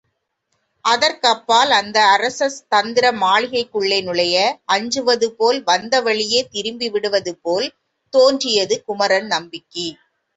அதற்கப்பால் அந்த அரசதந்திர மாளிகைக்குள்ளே நுழைய அஞ்சுவதுபோல் வந்த வழியே திரும்பிவிடுவது போல் தோன்றியது குமரன் நம்பிக்கு.